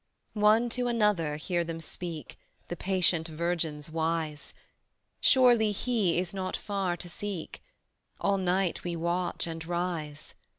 One to another hear them speak, The patient virgins wise: "Surely He is not far to seek," "All night we watch and rise."